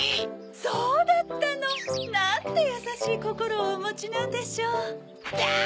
そうだったの。なんてやさしいこころをおもちなんでしょう。だ！